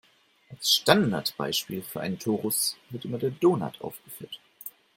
Als Standardbeispiel für einen Torus wird immer der Donut aufgeführt.